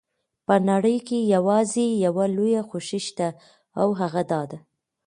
په نړۍ کې یوازې یوه لویه خوښي شته او هغه دا ده.